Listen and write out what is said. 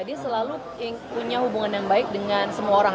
dia selalu punya hubungan yang baik dengan semua orang